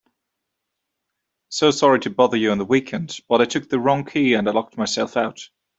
So sorry to bother you on the weekend, but I took the wrong key and locked myself out.